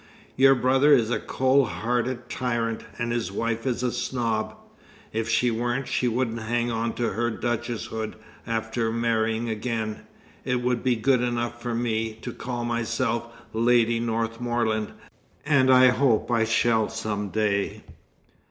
"Your brother is a cold hearted tyrant, and his wife is a snob. If she weren't, she wouldn't hang on to her duchess hood after marrying again. It would be good enough for me to call myself Lady Northmorland, and I hope I shall some day."